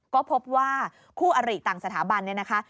ก็พบว่าคู่อริต่างสถาบันเนี่ยนะคะ